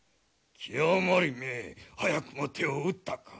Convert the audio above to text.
清盛め早くも手を打ったか。